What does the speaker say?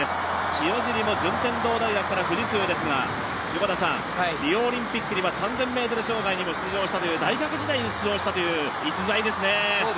塩尻も順天堂大学から富士通ですがリオオリンピックんは３０００ｍ障害にも大学時代に出場したという逸材ですね。